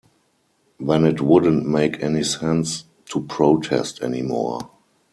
Then it wouldn't make any sense to protest anymore.